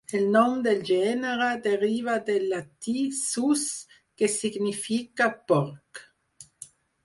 El nom del gènere deriva del llatí "sus", que significa "porc".